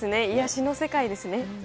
癒やしの世界ですね。